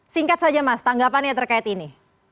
singkat saja mas tanggapan yang terkait ini